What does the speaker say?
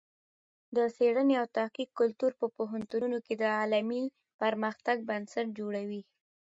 د څېړنې او تحقیق کلتور په پوهنتونونو کې د علمي پرمختګ بنسټ جوړوي.